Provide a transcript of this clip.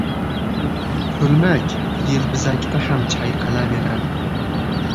• Ko‘lmak yelvizakda ham chayqalaveradi.